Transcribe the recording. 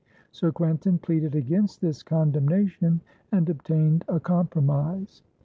Sir Quentin pleaded against this condemnation, and obtained a compromise.